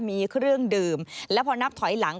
มีเครื่องดื่มแล้วพอนับถอยหลัง